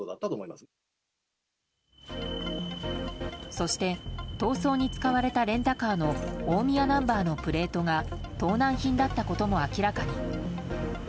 そして逃走に使われたレンタカーの大宮ナンバーのプレートが盗難品だったことも明らかに。